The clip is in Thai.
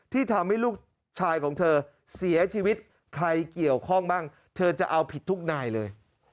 ที่ทำให้ลูกชายของเธอเสียชีวิตใครเกี่ยวข้องบ้างเธอจะเอาผิดทุกนายเลย